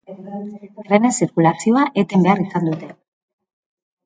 Trenen zirkulazioa eten behar izan dute.